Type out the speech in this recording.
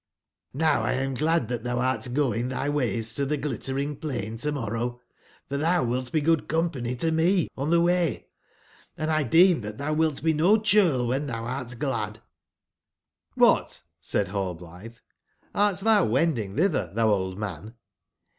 Jy>w 1 am glad that thou art going thy way 6 to the 6 littering plain to/morrow; for thou wilt be good company tome on the way : and I deem that thou wilt be no churl when tbou art glad/' InHirt" said nallblithe,'' art tbou wending thither, thou old man